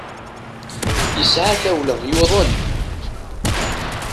Yesɛa tawla, yuḍen.